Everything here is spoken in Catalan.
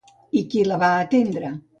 I qui la va atendre?